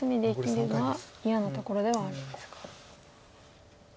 嫌なところではあるんですか。